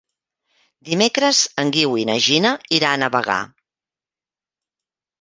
Dimecres en Guiu i na Gina iran a Bagà.